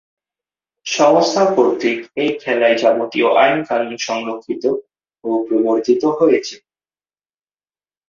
সংস্থা কর্তৃক এ খেলার যাবতীয় আইন-কানুন সংরক্ষিত ও প্রবর্তিত হয়েছে।